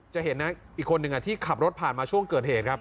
จะเห็นนะอีกคนหนึ่งที่ขับรถผ่านมาช่วงเกิดเหตุครับ